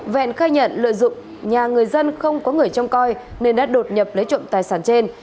vẹn khai nhận lợi dụng nhà người dân không có người trông coi nên đã đột nhập lấy trộm tài sản trên